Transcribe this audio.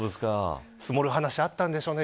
積もる話があったんでしょうね